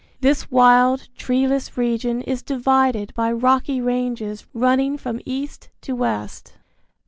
This wild, treeless region is divided by rocky ranges running from east to west.